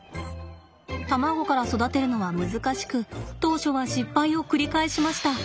卵から育てるのは難しく当初は失敗を繰り返しました。